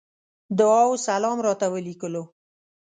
دعا وسلام راته وليکلو.